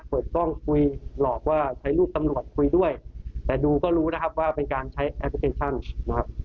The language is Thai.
เปิดกล้องคุยหลอกว่าใช้รูปตำรวจคุยด้วยแต่ดูก็รู้นะครับว่าเป็นการใช้แอปพลิเคชันนะครับ